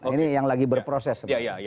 ini yang lagi berproses